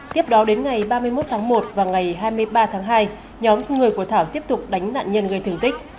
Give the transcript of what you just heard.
tiếp đó đến ngày ba mươi một tháng một và ngày hai mươi ba tháng hai nhóm người của thảo tiếp tục đánh nạn nhân gây thương tích